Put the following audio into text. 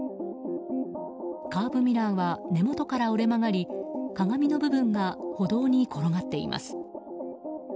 カーブミラーは根元から折れ曲がり鏡の部分が歩道に転がっています。